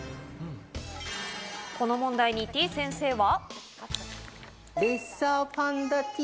この問題に、てぃ先生は。